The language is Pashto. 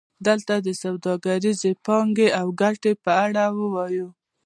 دلته د سوداګریزې پانګې او ګټې په اړه وایو